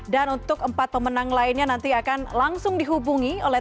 dan untuk empat pemenang lainnya nanti akan lanjut